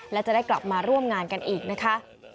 และจะได้กลับมาร่วมงานกันอีกนะคะ